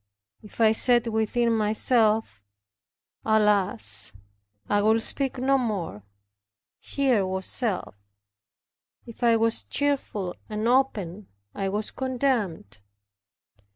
If I said within myself, alas, I will speak no more, here was self. If I was cheerful and open, I was condemned.